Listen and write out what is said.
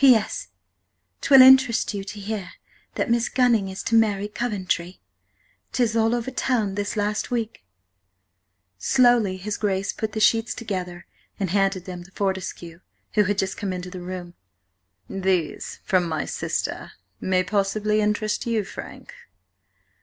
"P S.–'Twill interest you to hear that Miss Gunning is to marry Coventry. 'Tis all over Town this last Week." Slowly his Grace put the sheets together and handed them to Fortescue, who had just come into the room. "These, from my sister, may possibly interest you, Frank."